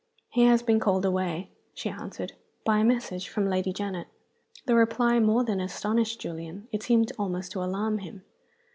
"He has been called away," she answered, "by a message from Lady Janet." The reply more than astonished Julian; it seemed almost to alarm him.